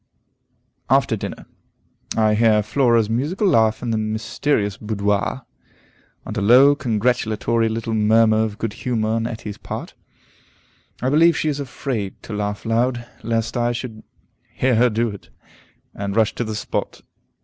After Dinner. I hear Flora's musical laugh in the mysterious boudoir, and a low, congratulatory little murmur of good humor on Etty's part. I believe she is afraid to laugh loud, lest I should hear her do it, and rush to the spot.